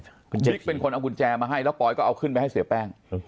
คุณจิ๊กเป็นคนเอากุญแจมาให้แล้วปอยก็เอาขึ้นไปให้เสียแป้ง